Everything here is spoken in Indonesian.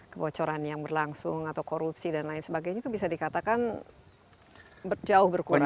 kebocoran yang berlangsung atau korupsi dan lain sebagainya itu bisa dikatakan jauh berkurang